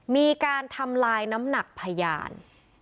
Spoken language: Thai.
มีการทำลายน้ำหนักพยาน